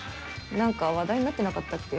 何か話題になってなかったっけ？